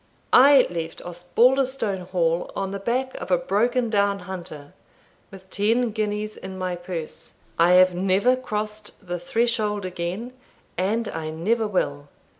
I left Osbaldistone Hall on the back of a broken down hunter, with ten guineas in my purse. I have never crossed the threshold again, and I never will.